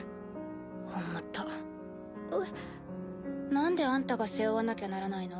なんであんたが背負わなきゃならないの？